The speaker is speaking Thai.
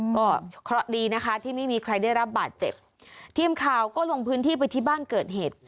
ก็เคราะห์ดีนะคะที่ไม่มีใครได้รับบาดเจ็บทีมข่าวก็ลงพื้นที่ไปที่บ้านเกิดเหตุ